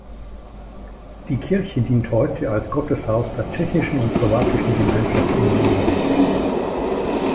Die Kirche dient heute als Gotteshaus der tschechischen und slowakischen Gemeinschaft in Wien.